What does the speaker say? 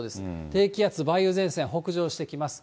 低気圧、梅雨前線、北上してきます。